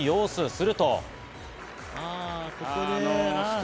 すると。